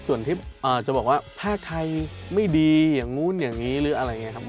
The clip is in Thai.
ส่วนที่จะบอกว่าภาคไทยไม่ดีอย่างนู้นอย่างนี้หรืออะไรอย่างนี้ครับ